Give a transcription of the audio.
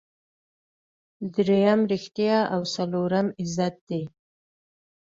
دریم ریښتیا او څلورم عزت دی.